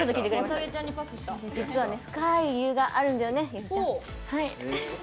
実は深い理由があるんだよね。